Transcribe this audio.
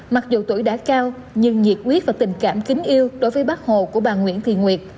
mặc dù tuổi đã cao nhưng nhiệt quyết và tình cảm kính yêu đối với bác hồ của bà nguyễn thị nguyệt